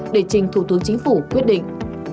để trình thủ tướng chính phủ quyết định